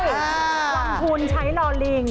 ลำภูนิใช้หล่อหลิง